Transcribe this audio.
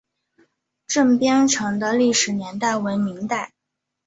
镇边城的历史年代为明代。